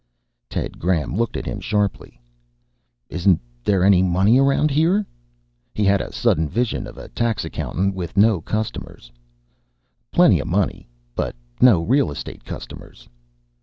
Ted Graham looked at him sharply. "Isn't there any money around here?" He had a sudden vision of a tax accountant with no customers. "Plenty of money, but no real estate customers."